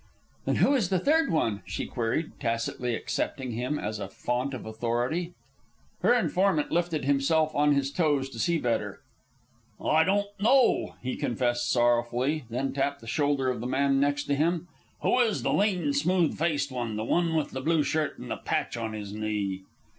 "Then who is the third one?" she queried, tacitly accepting him as a fount of authority. Her informant lifted himself on his toes to see better. "I don't know," he confessed sorrowfully, then tapped the shoulder of the man next to him. "Who is the lean, smooth faced one? The one with the blue shirt and the patch on his knee?"